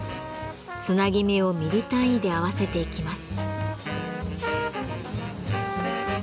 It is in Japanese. つなぎ目をミリ単位で合わせていきます。